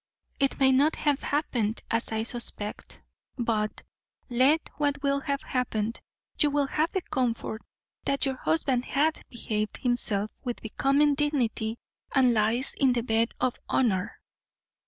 It may not have happened as I suspect; but, let what will have happened, you will have the comfort that your husband hath behaved himself with becoming dignity, and lies in the bed of honour."